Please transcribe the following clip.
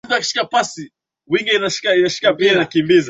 kwa kila mtu atakayewasaidia kumkamata Mkwawa akiwa hai au amekufa